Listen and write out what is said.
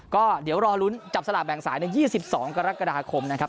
ก็เดี๋ยวรอลุ้นจับสลากแบ่งสายใน๒๒กรกฎาคมนะครับ